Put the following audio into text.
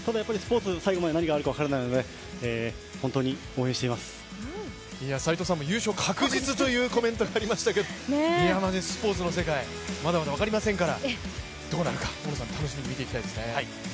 でも最後まで何があるか分かりませんので斎藤さんも優勝確実というコメントがありましたけどスポーツの世界、まだまだ分かりませんから、どうなるか楽しみに見ていきたいいですね。